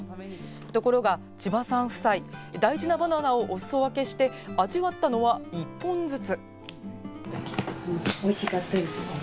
ところが千葉さん夫妻大事なバナナをおすそ分けして味わったのは１本ずつ。